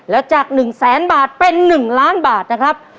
แล้วจาก๑แสนบาทเป็น๑ล้านบาทนะครับ